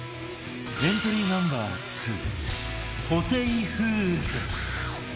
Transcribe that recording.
エントリー Ｎｏ．２ ホテイフーズ